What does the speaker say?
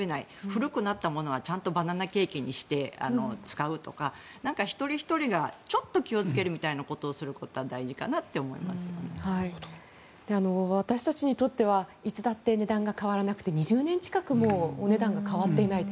古くなったものはちゃんとバナナケーキにするとか一人ひとりがちょっと気をつけるみたいなことは私たちにとってはいつだって値段が変わらなくて２０年近く値段が変わっていない。